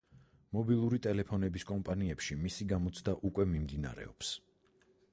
მობილური ტელეფონების კომპანიებში მისი გამოცდა უკვე მიმდინარეობს.